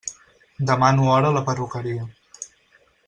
Demano hora a la perruqueria.